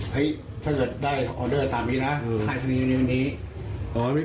เฮ้ยถ้าเกิดได้ออเดอร์ตามนี้นะค่ายศนีย์วันนี้วันนี้